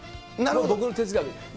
僕の哲学で。